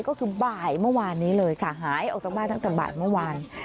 ก็คือบ่ายเมื่อวานนี้เลยค่ะหายออกจากบ้านตั้งแต่บ่ายเมื่อวาน